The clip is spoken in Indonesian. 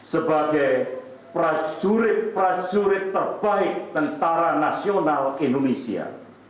sebagai prajurit prajurit terbaik tentara nasional indonesia